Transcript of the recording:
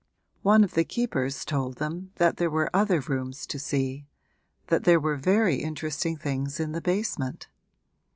One of the keepers told them that there were other rooms to see that there were very interesting things in the basement.